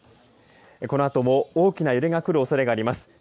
このあとも大きな揺れがくるおそれがあります。